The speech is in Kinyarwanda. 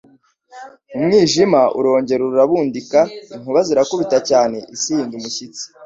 Umwijima urongera urabudika, inkuba zirakubita cyane isi ihinda umushyitsi.